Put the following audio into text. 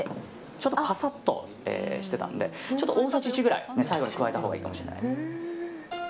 ちょっとパサッとしていたんで大さじ１くらい、最後に加えたほうがいいかもしれない。